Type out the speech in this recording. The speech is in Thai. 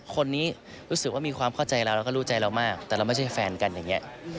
คนนี้รู้สึกว่ามีความเข้าใจเราแล้วก็รู้ใจเรามากแต่เราไม่ใช่แฟนกันอย่างนี้